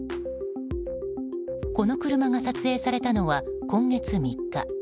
この車が撮影されたのは今月３日。